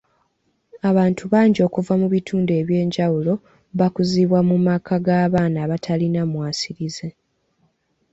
Abantu bangi okuva mu bitundu ebyenjawulo bakuzibwa mu maka g'abaana abatalina mwasiriza.